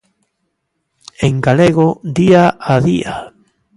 En galego día a día.